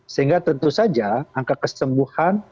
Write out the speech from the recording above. sehingga tentu saja angka kesembuhan